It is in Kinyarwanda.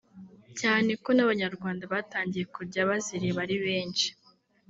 cyane ko n'abanyarwanda batangiye kujya bazireba ari benshi